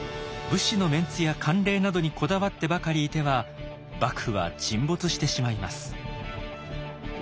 武士のメンツや慣例などにこだわってばかりいては幕府は沈没してしまいます。